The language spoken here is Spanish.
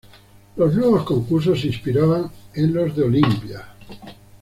Los nuevos concursos se inspiraban en los de Olimpia.